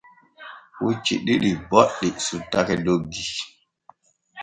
Pucci ɗiɗi boɗɗi sottake doggi.